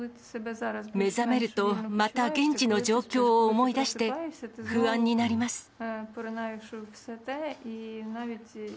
目覚めるとまた現地の状況を思い出して、不安になります。